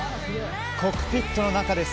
コックピットの中です。